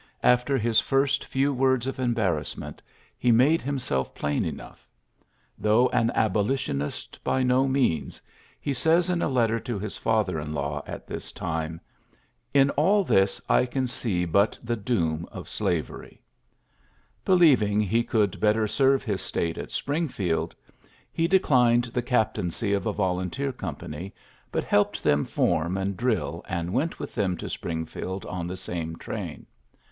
After his first few words of embarrassment^ he made himself plain enough. Though an Abolitionist by no means, he says in a letter to his father in law at this time, '^In all this I can see but the doom of slavery." Believing he could better serve his state at Springfield, he de AA«^A«U.Jf VrOLl 34 XJLYBSBS S. GBANT clined the captaincy of a volunteer company, but helped them form and drill, and went with them to Springfield on the same train.